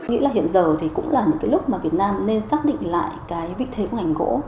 nghĩ là hiện giờ thì cũng là những cái lúc mà việt nam nên xác định lại cái vị thế của ngành gỗ